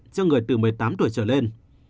cho người từ một mươi tám tuổi trở lên